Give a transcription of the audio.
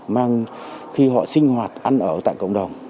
mang khi họ sinh hoạt ăn ở tại cộng đồng